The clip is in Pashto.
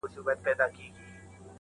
نن یې وار د پاڅېدو دی٫